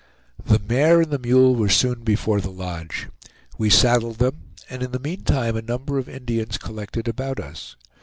The mare and the mule were soon before the lodge. We saddled them, and in the meantime a number of Indians collected about us.